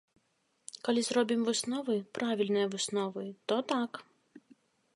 Калі зробім высновы, правільныя высновы, то так!